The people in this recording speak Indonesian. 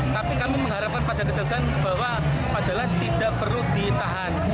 tapi kami mengharapkan pada kejaksaan bahwa fadila tidak perlu ditahan